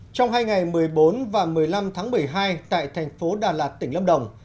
trong hai ngày một mươi bốn và một mươi năm tháng một mươi hai tại thành phố đà lạt tỉnh lâm đồng